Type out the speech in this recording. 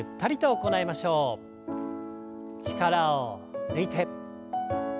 力を抜いて。